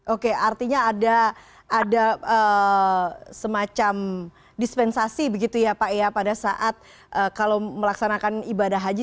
oke artinya ada semacam dispensasi begitu ya pak ya pada saat kalau melaksanakan ibadah haji